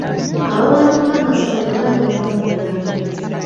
Abawanduka masomero bangi nnyo mu byalo.